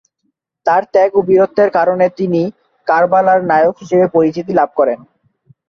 তার ত্যাগ ও বীরত্বের কারণে তিনি "কারবালার নায়ক" হিসাবে পরিচিতি লাভ করেন।